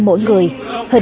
mỗi người dân việt nam